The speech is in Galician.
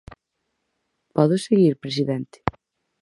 ¿Podo seguir, presidente?